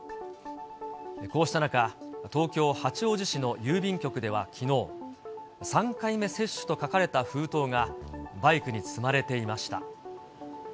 こうした中、東京・八王子市の郵便局ではきのう、３回目接種と書かれた封筒が、バイクに積まれていました。